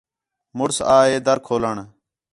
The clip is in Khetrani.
مُݨس آ ہے دَر کھولݨ